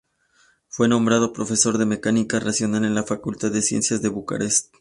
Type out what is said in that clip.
Fue nombrado profesor de mecánica racional en la Facultad de Ciencias de Bucarest.